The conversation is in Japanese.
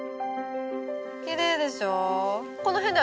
きれいでしょ。